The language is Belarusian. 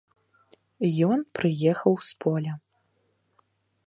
Ён прыехаў з поля.